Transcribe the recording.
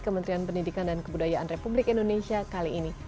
kementerian pendidikan dan kebudayaan republik indonesia kali ini